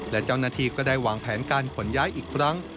และเจ้าหน้าที่ก็ได้วางแผนการขนย้ายอีกครั้ง